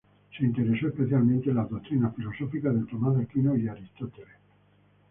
Se interesó especialmente en las doctrinas filosóficas de Tomás de Aquino y Aristóteles.